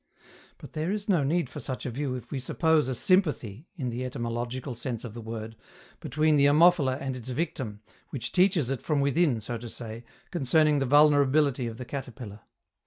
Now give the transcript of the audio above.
But there is no need for such a view if we suppose a sympathy (in the etymological sense of the word) between the Ammophila and its victim, which teaches it from within, so to say, concerning the vulnerability of the caterpillar.